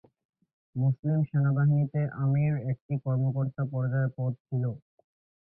মুসলিম সেনাবাহিনীতে আমির একটি কর্মকর্তা পর্যায়ের পদ ছিল।